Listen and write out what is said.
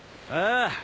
ああ。